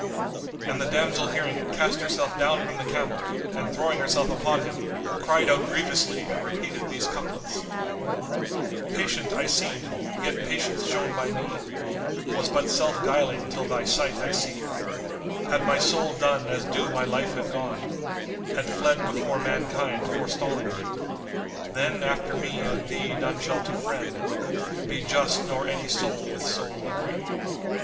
and the damsel hearing it cast herself down from the camel and throwing herself upon him, cried out grievously and repeated these couplets, "Patient I seemed, yet Patience shown by me * Was but self guiling till thy sight I see: Had my soul done as due my life had gone, * Had fled before mankind forestalling thee: Then, after me and thee none shall to friend * Be just, nor any soul with soul agree."